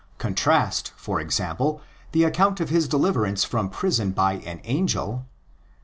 Contrast, for example, the account of his deliverance from prison by an angel (xii.